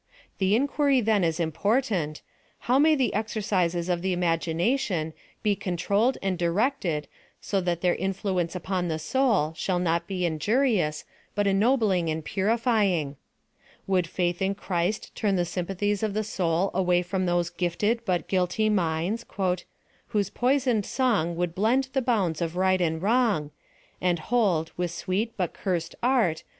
The inquiry, then, is impcrtant. How may the exercises of the imagi nation be controlled and dhected so that their in* fluence upon the soul shall not be injurious, but en nobling and purify ng 7 Vv'oL'/i faith in Christ turn PLAN OF SALVATION. 211 the sympathies of the soul away from those gifted b»it guilty minds, « Whose poisoned song Would blend the bounds of right and wrong } And hold, with sweet but cursed art.